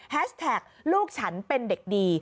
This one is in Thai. แท็กลูกฉันเป็นเด็กดี